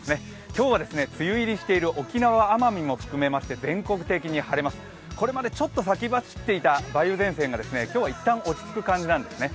今日は梅雨入りしている沖縄・奄美も含めまして全国的に晴れます、これまでちょっと先走っていた梅雨前線が今日は一旦落ち着く感じなんですね。